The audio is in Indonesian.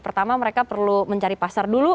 pertama mereka perlu mencari pasar dulu